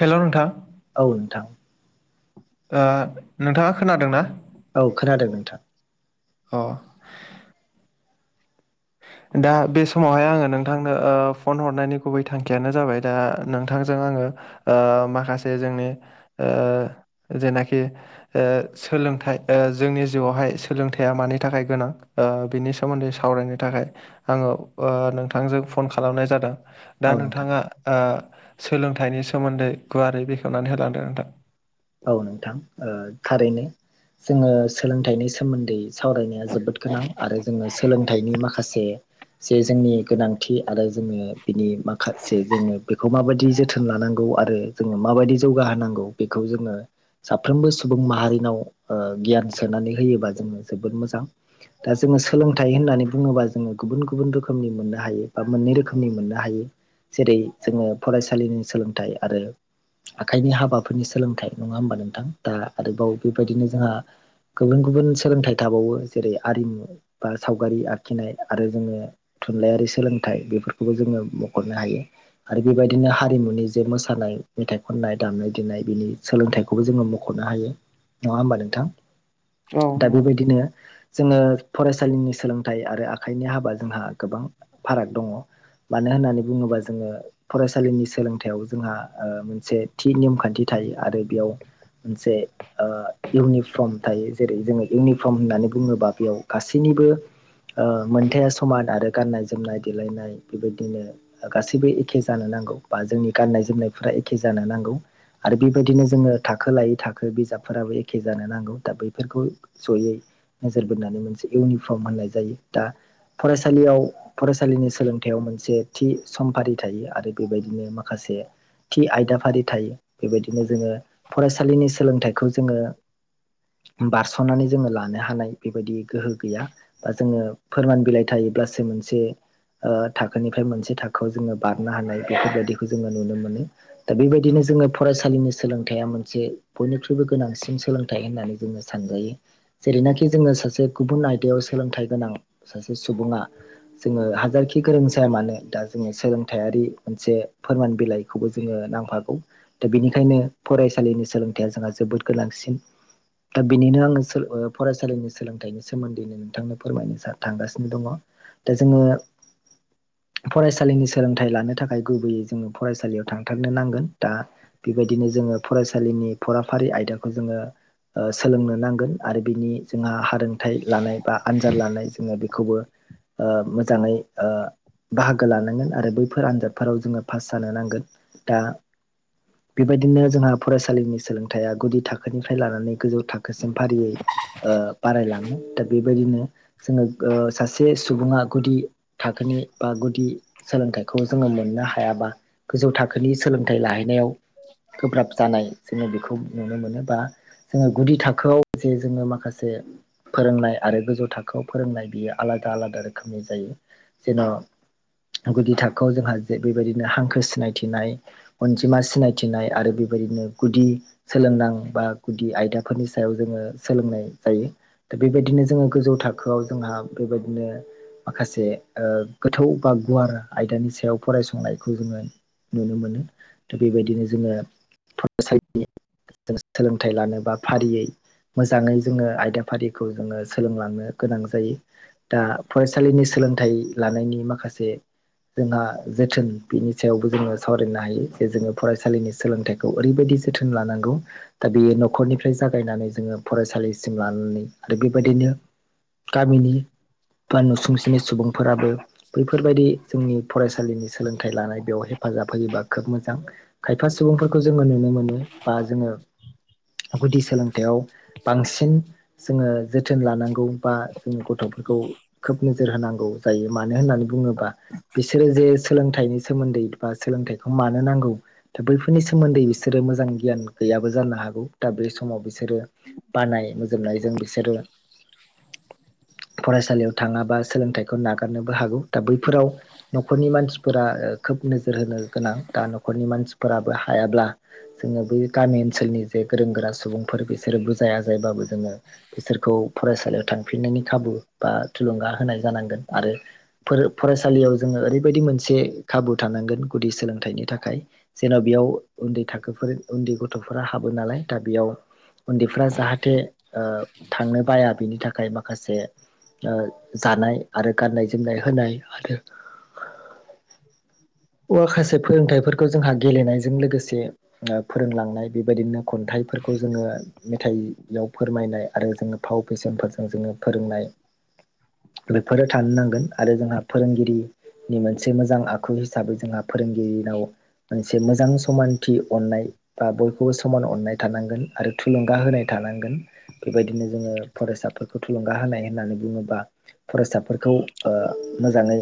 Hello नोंथा औ नोंथां ओ नोंथाङा खोनादों ना? औ खोनादों नोंथां। अ दा बे समावहाय आङो नोंथांनो ओ फन हरनायनि गुबै थांखियानो जाबाय दा नोंथांजों आङो ओ माखासे जोंनि ओ जेनाखि ओ सोलोंथाइ ओ जोंनि जिउआवहाय सोलोंथाइया मानि थाखाय गोनां ओ बिनि सोमोन्दै सावरायनो थाखाय आङो ओ नोंथांजों फन खालामनाय जादों औ दा नोंथां नोंथाङा सोलोंथाइनि सोमोन्दै गुवारै बेखेवनानै होलांदों नोंथां। औ नोंथां थारैनो जोङो सोलोंथाइनि सोमोन्दै सावरायनाया जोबोद गोनां आरो जोङो सोलोंथाइनि माखासे जे जोंनि गोनांथि आरो जोङो बिनि माखासे जोङो बेखौ माबायदि जोथोन लानांगौ आरो जोङो माबायदि जौगाहोनांगौ बेखौ जों ओ साफ्रोमबो सुबुं माहारिनाव ओ गियान सोनानै होयोबा जोङो जोबोद मोजां दा जोङो सोलोंथाइ होननानै बुङोबा जोङो गुबुन गुबुन रोखोमनि मोननो हायो बा मोननै रोखोमनि मोननो हायो। जेरै जोङो फरायसालिनि सोलोंथाइ आरो आखाइनि हाबाफोरनि सोलोंथाइ नङा होमबा नोंथां? दा आरोबाव बेबायदिनो जोंहा गुबुन गुबुन सोलोंथाइ थाबावो जेरै आरिमु बा सावगारि आखिनाय आरो जोङो थुनलाइयारि सोलोंथाइ बेफोरखौबो जोङो मख'नो हायो। आरो बेबायदिनो हारिमुनि जे मोसानाय मेथाइ खननाय दामनाय देनाय बिनि सोलोंथाइखौबो जोङो मख'नो हायो नङा होमबा नोंथां? औ दा नंगौ बेबायदिनो जोङो फरायसालिनि सोलोंथाइ आरो आखाइनि हाबा जोंहा गोबां फाराग दङ। मानो होननानै बुङोब्ला जोङो फरायसालिनि सोलोंथायाइयाव जोंहा ओ मोनसे थि नेमखान्थि थायो आरो बेयाव। मोनसे ओ इउनिफर्म थायो जेरै जोङो इउनिफर्म होननानै बुङोबा बेयाव गासैनिबो मोनथाया समान आरो गाननाय जोमनाय देलायनाय बेबायदिनो गासैबो एखे जानो नांगौ बा जोंनि गाननाय जोमनायफोरा एखे जानो नांगौ। आरो बेबायदिनो जोङो थाखो लायै थाखो बिजाबफोराबो एखे जानो नांगौ दा बैफोरखौ जयै। नोजोर बोनानै मोनसे इउनिफर्म होननाय जायो दा फरायसालियाव फरायसालिनि सोलोंथायाइयाव मोनसे थि समफारि थायो आरो बेबायदिनो माखासे थि आयदाफारि थायो बेबायदिनो जोङो फरायसालिनि सोलोंथाइखौ जोङो बारस'नानै जोङो लानो हानाय बेबायदि गोहो गैया। बा जोङो फोरमान बिलाइ थायोब्लासो मोनसे ओ थाखोनिफ्राय मोनसे थाखो खौ जोङो बारनो हानाय बेफोरबायदिखौ जोङो नुनो मोनो दा बेबायदिनो जोङो फरायसालिनि सोलोंथाइया मोनसे बयनिख्रुइबो गोनांसिन सोलोंथाइ होननानै जोङो सानजायो। जेरैनाखि जोङो सासे गुबुन आयदायाव सोलोंथाइ गोनां सासे सुबुङा जोङो हाजारखि गोरों जाया मानो दा जोङो सोलोंथायारि मोनसे फोरमान बिलाइखौबो जोङो नांफागौ। दा बेनिखायनो फरायसालिनि सोलोंथाइया जोंहा जोबोद गोनांसिन। दा बेनिनो आङो सोल फरायसालिनि सोलोंथाइनि सोमोन्दैनो नोंथांनो फोरमायनो सा थांगासिनो दङ दा जोङो फरायसालिनि सोलोंथाइ लानो थाखाय गुबैयै जोङो फरायसालियाव थांथारनो नांगोन दा बेबायदिनो जोङो फरायसालिनि फराफारि आयदाखौ जोङो ओ सोलोंनो नांगोन आरो बिनि जोंहा हारोंथाइ लानाय बा आनजाद लानाय जोङो बेखौबो ओ मोजाङै ओ बाहागो लानांगोन आरो बैफोर आनजादफोराव जोङो पास जानो नांगोन दा बेबायदिनो जोंहा फरायसालिनि सोलोंथाइया गुदि थाखोनिफ्राय लानानै गोजौ थाखोसिम फारियै ओ बारायलाङो दा बेबायदिनो जोङो ओ सासे सुबुङा गुदि थाखोनि बा गुदि सोलोंथाइखौ जोङो मोननो हायाबा गोजौ थाखोनि सोलोंथाइ लाहैनायाव गोब्राब जानाय जोङो बेखौ नुनो मोनो बा जोङो गुदि थाखोआव जे जोङो माखासे फोरोंनाय आरो गोजौ थाखोआव फोरोंनाय बियो आलादा आलादा रोखोमनि जायो जेन' गुदि थाखोआव जोंहा जे बेबायदिनो हांखो सिनायथिनाय अनजिमा सिनाय थिनाय आरो बेबायदिनो गुदि सोलोंनां बा गुदि आयदाफोरनि सायाव जोङो सोलोंनाय जायो। दा बेबायदिनो जोङो गोजौ थाखोआव जोंहा बेबायदिनो माखासे ओ गोथौ बा गुवार आयदानि सायाव फरायसंनायखौ जोङो नुनो मोनो दा बेबायदिनो जोङो फरायसालिनि जों सोलोंथाइ लानो बा फारियै मोजाङै जोङो आयदा फारिखौ जोङो सोलोंलांनो गोनां जायो दा फरायसालिनि सोलोंथाइ लानायनि माखासे जोंहा जोथोन बिनि सायावबो जोङो सावरायनो हायो जे जोङो फराय सालिनि सोलोंथाइखौ ओरैबायदि जोथोन लानांगौ। दा बेयो न'खरनिफ्राय जागायनानै जोङो फरायसालिसिम लानानै आरो बेबायदिनो गामिनि बा नुसुंसेनि सुबुंफोराबो। बैफोरबायदि जोंनि फरायसालिनि सोलोंथाइ लानाय बेयाव हेफाजाब होयोबा खोब मोजां। खायफा सुबुंफोरखौ जोङो नुनो मोनो बा जोङो गुदि सोलोंथायाइयाव बांसिन जोङो जोथोन लानांगौ बा जोंनि गथ'फोरखौ खोब नोजोर होनांगौ जायो मानो होननानै बुङोबा बिसोरो जे सोलोंथाइनि सोमोन्दै बा सोलोंथाइखौ मानो नांगौ। दा बैफोरनि सोमोन्दै बिसोरो मोजां गियान गैयाबो जानो हागौ दा बे समाव बिसोरो बानाय मोजोमनायजों बिसोरो [inaudible] फरायसालियाव थाङाबा सोलोंथाइखौ नागारनोबो हागौ दा बैफोराव न'खरनि मानसिफोरा खोब नोजोर होनो गोनां दा न'खरनि मानसिफोराबो हायाब्ला जोङो बै गामि ओनसोलनि जे गोरों गोरा सुबुंफोर बिसोरो बुजाया जायबाबो जोङो बिसोरखौ फरायसालियाव थांफिननायनि खाबु बा थुलुंगा होनाय जानांगोन आरो फोरो फरायसालियाव जोङो ओरैबायदि मोनसे खाबु थानांगोन गुदि सोलोंथाइनि थाखाय जेन' बेयाव उन्दै थाखोफोर उन्दै गथ'फोरा हाबो नालाय दा बेयाव उन्दैफ्रा जाहाथे ओ थांनो बाया बिनि थाखाय माखासे जानाय आरो गाननाय जोमनाय होनाय आरो। माखासे फोरोंथाइफोरखौ जोंहा गेलेनायजों लोगोसे फोरोंलांनाय बेबायदिनो खन्थाइफोरखौ जोङो मेथाइयाव फोरमायनाय आरो जोङो फाव फेसनफोरजों जोङो फोरोंनाय। बेफोरो थानो नांगोन आरो जोंहा फोरोंगिरिनि मोनसे मोजां आखु। हिसाबै जोंहा फोरोंगिरिनाव मोनसे मोजां समानथि अननाय। बा बयखौबो समान अननाय थानांगोन आरो थुलुंगा होनाय थानांगोन। बेबायदिनो जोङो फरायसाफोरखौ थुलुंगा होनाय होननानै बुङोबा। फरायसाफोरखौ ओ मोजाङै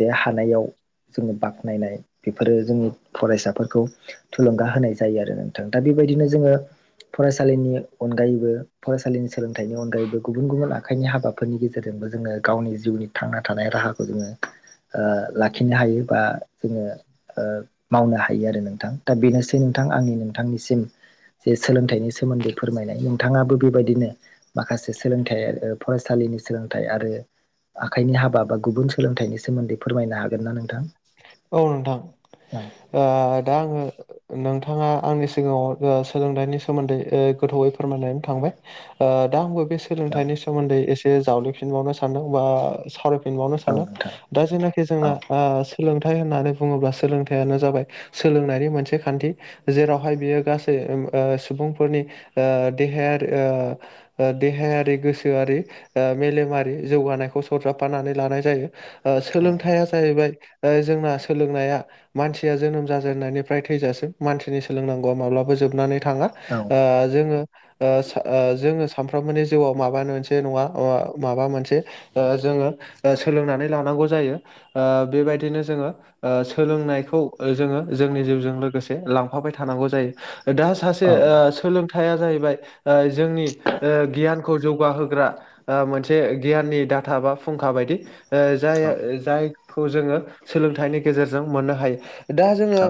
जे हानायाव जोङो बाख्नायनाय बेफोरो जोंनि फरायसाफोरखौ थुलुंगा होनाय जायो आरो नोंथां दा बेबायदिनो जोङो फरायसालिनि अनगायै फरायसालिनि सोलोंथाइनि अनगायैबो गुबुन गुबुन आ आखाइनि हाबाफोरनि गेजेरजोंबो जोङो गावनि जिउनि थांना थानाय राहाखौ जोङो ओ लाखिनो हायो बा जोङो ओ मावनो हायो आरो नोंथां। दा बेनोसै नोंथां आंनि नोंथांनिसिम। जे सोलोंथाइनि सोमोन्दै फोरमायनाय नोंथाङाबो बेबायदिनो माखासे सोलोंथाइ फरायसालिनि सोलोंथाइ आरो आखाइनि हाबा बा गुबुन सोलोंथाइनि सोमोन्दै फोरमायनो हागोन ना नोंथां। औ नोंथां। [unintelligible] ओ दा आङो नोंथाङा आंनि सिगाङाव सोलोंथाइनि सोमोन्दै ओ गोथौयै फोरमायनानै थांबाय। ओ दा आंबो बे औ सोलोंथाइनि सोमोन्दै एसे जावलिफिनबावनो सानदों बा सावरायफिनबावनो औ सानदों। नोंथां दा जेनाखि औ जोंना ओ सोलोंथाइ होननानै बुङोब्ला सोलोंथाइयानो जाबाय सोलोंनायनि मोनसे खान्थि। जेरावहाय बियो गासै ओ सुबुंफोरनि ओ देहायारि ओ ओ देहायारि गोसोआरि ओ मेलेमारि जौगानायखौ सरजाबफानानै लानाय जायो ओ औ सोलोंथाइआ जाहैबाय ओ जोंना सोलोंनाया मानसिया जोनोम जाजेननायनिफ्राय थैजासिम मानसिनि सोलोंनांगौआ माब्लाबा जोबनानै थाङा औ ओ जोङो ओ जोङो सानफ्रोमबोनि जिउआव माबा मोनसे नङा ओ माबा मोनसे ओ जोङो ओ सोलोंनानै लानांगौ जायो ओ बेबायदिनो जोङो ओ सोलोंनायखौ ओ जोङो जोंनि जिउजों लोगोसे लांफाबाय थानांगौ जायो दा सासे ओ औ सोलोंथाइया जाहैबाय ओ जोंनि ओ गियान खौ जौगा होग्रा ओ मोनसे गियाननि डाता बा फुंखा बायदि ओ जाय औ जायखौ जोङो सोलोंथाइनि गेजेरजों मोननो हायो। दा जोङो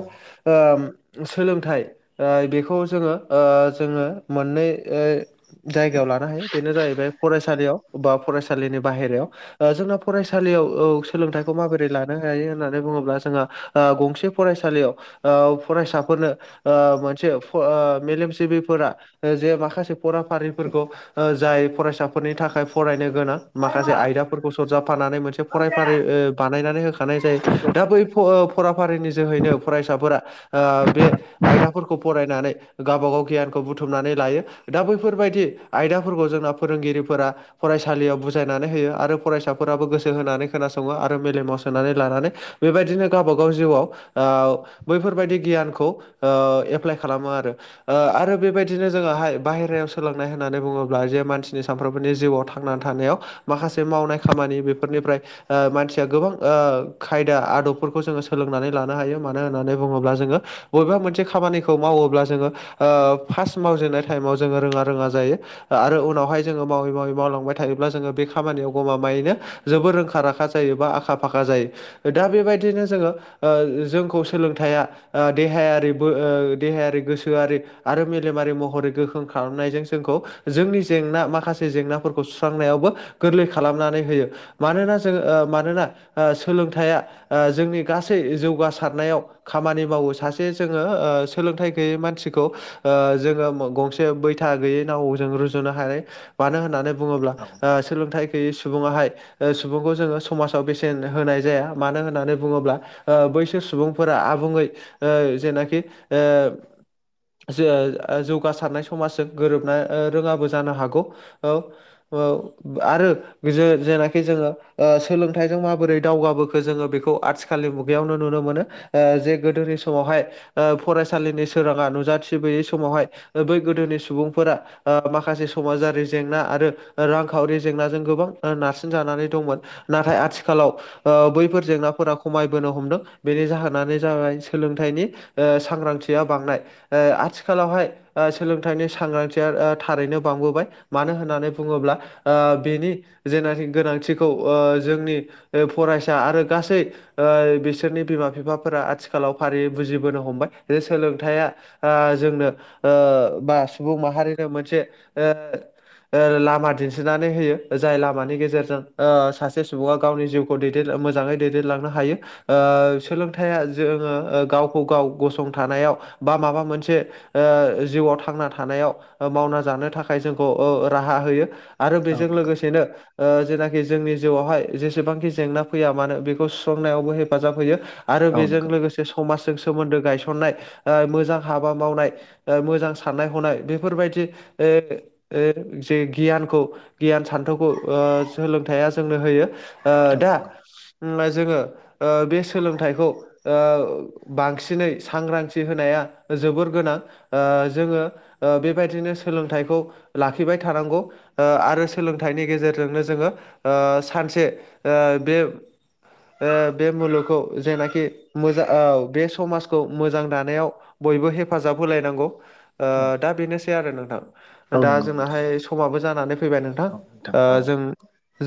ओ सोलोंथाइ ओ बेखौ जोङो ओ जोङो मोननै ओ जायगायाव लानो हायो बेनो जाहैबाय फरायसालियाव बा फरायसालिनि बाहेरायाव। ओ जोंना फरायसालियाव औ सोलोंथाइखौ माबोरै ला लानो हायो होननानै बुङोब्ला जोंहा ओ गंसे फरायसालियाव ओ फरायसाफोरनो ओ मोनसे ओ मेलेमजिबिफोरा जे माखासे फराफारिफोरखौ ओ जाय फरायसाफोरनि थाखाय फरायनो गोनां माखासे आयदाफोरखौ सरजाफानानै मोनसे फरायफारि ओ बानायनानै हो होनाय जायो दा बै फ-फराफारिनि जोहैनो फरायसाफोरा ओ बे आयदाफोरखौ फरायनानै गावबा गाव गियानखौ बुथुमनानै लायो। दा बैफोरबायदि आयदाफोरखौ जोंना फोरोंगिरिफोरा। फरायसालियाव बुजायनानै होयो आरो फरायसाफोराबो गोसो होनानै खोनासङो आरो मेलेमाव सोनानै लानानै बेबायदिनो गावब गाव जिउआव बैफोरबायदि गियानखौ एप्लाइ खालामो आरो ओ आरो बेबायदिनो जोंहाय बाहेरायाव सोलोंनाय होननानै बुङोब्ला जे मानसिनि सानफ्रोमबोनि जिउआव थां- थांनानै थानायाव माखासे मावनाय खामानि बेफोरनिफ्राय मानसिया गोबां खायदा आदबफोरखौ जोङो सोलोंनानै लानो हायो मानो होननानै बुङोब्ला जोङो बबेबा मोनसे खामानिखौ मावोब्ला जोङो फार्स्ट मावजेननाय टाइमाव जोङो रोङा रोङा जायो। आरो उनावहाय जोङो मावै मावै मावलांबाय थायोब्ला जोङो बे खामानियाव गमामायैनो जोबोर रोंखा राखा जायो बा आखा फाखा जायो। दा बेबायदिनो जोङो जोंखौ सोलोंथाइया देहायारि- देहायारि गोसोआरि आरो मेलेमारि महरै गोख्रों खालामनायजों जोंखौ जोंनि जेंना माखासे जेंनाफोरखौ सुस्रांनायावबो गोरलै खालामनानै होयो। मानोना जोङो मानोना सोलोंथाइया जोंनि गासै जौगासारनायाव खामानि मावो सासे जोङो सोलोंथाइ गैयै मानसिखौ जोङो गंसे बैथा गैयै नाव जों रुजुनो हायो मानो होननानै बुङोब्ला औ सोलोंथाय गैयै सुबुंआहाय सुबुंखौ जोङो समाजाव बे बेसेन होनाय जाया मानो होननानै बुङोब्ला बैसोर सुबुंफोरा आबुङै ओ जेनाखि ओ ज जौगासारनाय समाजजों गोरोबना रोङाबो जानो हागौ औ आरो जेनाखि जोङो सोलोंथाइजों मा- -माबोरै दावगाबोखो जोङो बेखौ आथिखालनि मुगायावनो नुनो मोनो। जे गोदोनि समावहाय फरायसालिनि सोराङा नुजाथिबोयै समावहाय बै गोदोनि सुबुंफोरा माखासे समाजारि जेंना आरो रांखावरि जेंनाजों गोबां नारसिनजानानै दंमोन। नाथाय आथि आथिखालाव बैफोर जेंनाफोरा खमायबोनो हमदों बेनि जाहोनानो जाबाय सोलोंथाइनि ओ सांग्रांथिया बांनाय आथिखालावहाय सोलोंथाइनि सांग्रांथिया थारैनो बांबोबाय मानो होननानै बुङोब्ला बेनि जेनाखि गोनांथिखौ जोंनि फरायसा आरो गासै बिसोरनि बिमा बिफाफोरा आथिखालाव फारियै बुजिबोनो हमबाय जे सोलोंथाइया जोंनो बा सुबुं माहारिनो मोनसे लामा दिन्थिनानै होयो जाय लामानि गेजेरजों सासे सुबुङा गावनि जिउखौ दैदेन मोजाङै दैदेनलांनो हायो। सोलोंथाइया जोङो गावखौ गाव गसंथानायाव बा माबा मोनसे जिउआव थांना थानायाव मावना जानो थाखाय जोंखौ राहा होयो। आरो औ बेजों नंगौ लोगोसेनो जेनाखि जोंनि जिउआवहाय जेसेबांखि जेंना फैया मानो बेखौ सुस्रांनायावबो हेफाजाब होयो आरो औ बेजों नंगौ लोगोसे समाजजों सोमोन्दो गायसननाय मोजां हाबा मावनाय मोजां साननाय हनाय बेफोरबायदि जे गियानखौ गियान सान्थौखौओ सोलोंथाइया जोंनो होयो। औ दा नंगौ जोङो ओ बे सोलोंथाइखौ ओ बांसिनै सांग्रांथि होनाया जोबोर गोनां ओ जोङो ओ बेबायदिनो सोलोंथाइखौ लाखिबाय थानांगौ ओ आरो सोलोंथाइनि गेजेरजोंनो जोङो ओ सानसे ओ बे ओ बे मुलुगखौ जेनाखि मोजां बे समाजखौ मोजां दानायाव बयबो हेफाजाब होलायनांगौ ओ औ दा बेनोसै आरो औ नोंथां दा नंगौ नोंथां जोंनाहाय समाबो जानानै फैबाय नोंथां औ ओ औ जों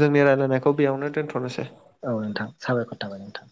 जोंनि रायजलायनायखौ बेयावनो दोनथ'नोसै। औ नोंथां साबायखर थाबाय नोंथां।